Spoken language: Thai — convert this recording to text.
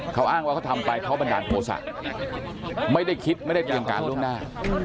เขาอ้างว่าเขาทำไปเพราะบันดาลโทษะไม่ได้คิดไม่ได้เตรียมการล่วงหน้า